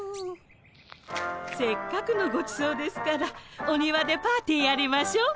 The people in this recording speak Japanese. せっかくのごちそうですからお庭でパーティーやりましょう。